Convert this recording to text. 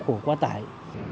xe quá khổ quá tải